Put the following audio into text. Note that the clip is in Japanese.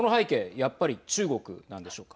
やっぱり中国なんでしょうか。